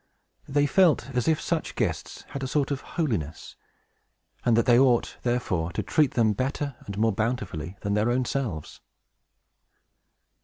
They felt as if such guests had a sort of holiness, and that they ought, therefore, to treat them better and more bountifully than their own selves.